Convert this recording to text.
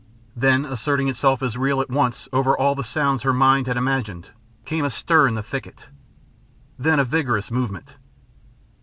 Then, asserting itself as real at once over all the sounds her mind had imagined, came a stir in the thicket, then a vigorous movement.